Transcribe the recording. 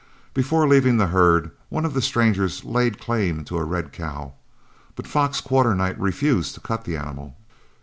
Before leaving the herd, one of the strangers laid claim to a red cow, but Fox Quarternight refused to cut the animal.